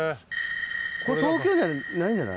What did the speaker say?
これ東京ではないんじゃない？